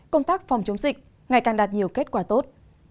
công tác phòng chống dịch ngày càng đạt nhiều kết quả tốt